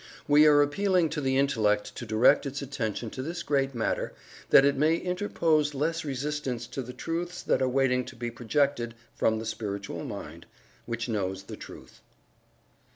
We are appealing to the Intellect to direct its attention to this great matter, that it may interpose less resistance to the truths that are waiting to be projected from the Spiritual Mind, which knows the Truth.